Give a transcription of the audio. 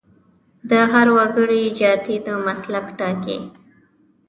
د هر وګړي جاتي د مسلک ټاکي.